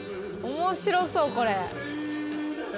面白そうこれ。